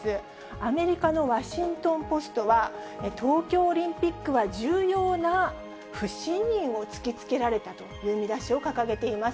アメリカのワシントンポストは、東京オリンピックは重要な不信任を突きつけられたという見出しを掲げています。